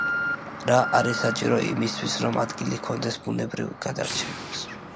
რა არის საჭირო იმისათვის, რომ ადგილი ჰქონდეს, ბუნებრივ გადარჩევას.